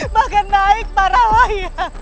bahkan naik para layang